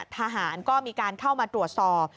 ทหารก็มีการเข้ามาตรวจสอบ